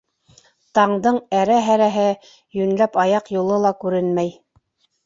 Таңдың әрә-һәрәһе, йүнләп аяҡ юлы ла күренмәй.